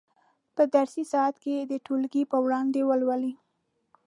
په درسي ساعت کې یې د ټولګي په وړاندې ولولئ.